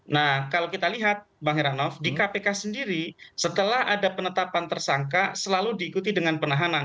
nah kalau kita lihat bang heranov di kpk sendiri setelah ada penetapan tersangka selalu diikuti dengan penahanan